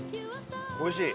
おいしい！